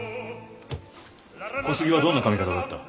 小杉はどんな髪形だった？